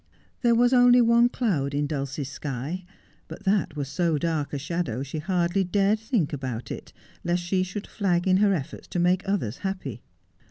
There was only one cloud in Dulcie's sky, but that was so dark a shadow she hardly dared think about it, lest she should flag in her efforts to make others happy.